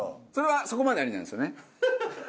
そこまでありなんですよね？